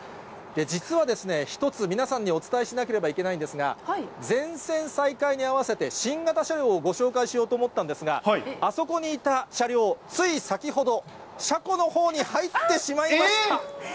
実は、一つ皆さんにお伝えしなければいけないんですが、全線再開に合わせて、新型車両をご紹介しようと思ったんですが、あそこにいた車両、つい先ほど、車庫のほうに入ってしまいました。